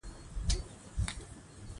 د ډوډۍ دغه کلتور د مغولو د سلطنت پیداوار و.